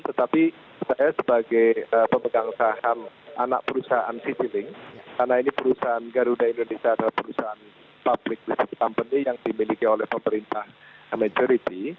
tetapi saya sebagai pemegang saham anak perusahaan citylink karena ini perusahaan garuda indonesia adalah perusahaan public company yang dimiliki oleh pemerintah majority